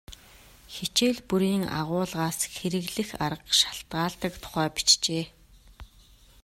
Хичээл бүрийн агуулгаас хэрэглэх арга шалтгаалдаг тухай бичжээ.